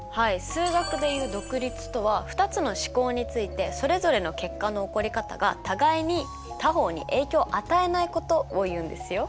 数学でいう「独立」とは２つの試行についてそれぞれの結果の起こり方がたがいに他方に影響を与えないことをいうんですよ。